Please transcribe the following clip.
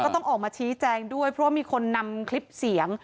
ต้องออกมาชี้แจงด้วยเพราะว่ามีคนนำคลิปเสียง